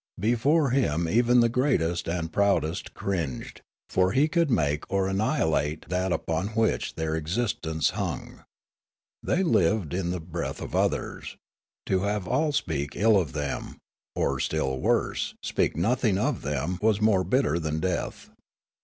Be fore him even the greatest and proudest cringed ; for he could make or annihilate that upon which their exist ence hung. The)' lived in the breath of others ; to have all speak ill of them or, still worse, speak nothing of them was more bitter than death.